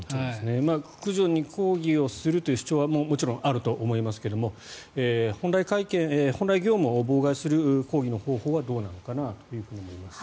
駆除に抗議をするという主張はもちろんあると思いますが本来業務を妨害する抗議の方法はどうなのかなと思います。